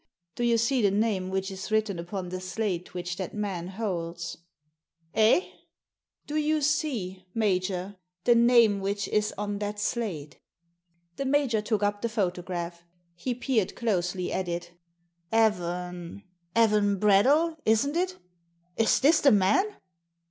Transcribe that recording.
" Do you see the name which is written upon the slate which that man holds ?" "Eh?" "Do you see, major, the name which is on that slate?" The major took up the photograph. He peered closely at it Digitized by VjOOQIC THE PHOTOGRAPHS 49 " Evan — Evan Bradell, isn't it? Is this the man